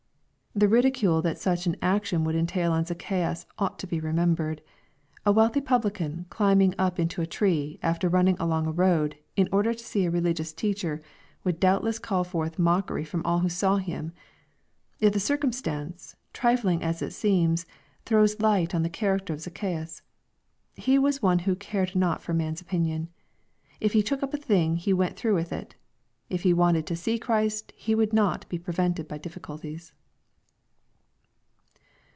] The ridicule that such an ac tion would entail on Zacchaeus, ought to be remembered. AV wealthy publican climbing up into a tree, after running along a \ road, in order to see areligiQus teacher, would doubtless call forth mockery from all who saw film I Yet the circumstance, trifling as it seems, throws light on the character of Zacchseus. He was one who cared not for man's opinion. If he took up a thing he went through with it. If he wanted .tQ^s^e Christ, he would not \ be prevented by difficulties.